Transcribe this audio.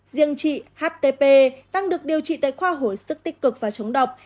diện trị htp đang được điều trị tại khoa hội sức tích cực và chống độc